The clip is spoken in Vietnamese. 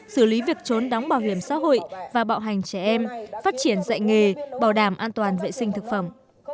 xử lý việc trốn đóng bảo hiểm xã hội và bạo hành trẻ em phát triển dạy nghề bảo đảm an toàn vệ sinh thực phẩm